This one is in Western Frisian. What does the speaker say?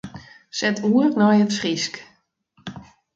Set oer nei it Frysk.